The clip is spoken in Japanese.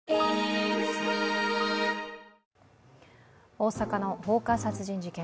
大阪の放火殺人事件。